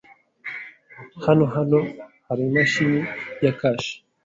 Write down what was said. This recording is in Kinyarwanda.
Hano hano hari imashini ya cash?